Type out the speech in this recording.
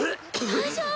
大丈夫？